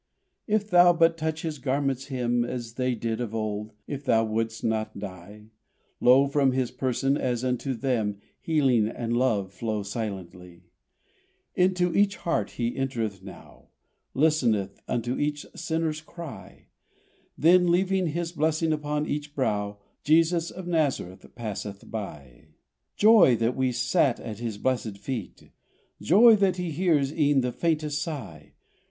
If thou but touch His garment's hem As they did of old (if thou wouldst not die), Lo, from His person, as unto them, Healing and love flow silently! Into each heart He entereth now, Listeneth unto each sinner's cry! Then leaving His blessing upon each brow Jesus of Nazareth passeth by! Joy that we sat at His blesséd feet! Joy that He hears e'en the faintest sigh!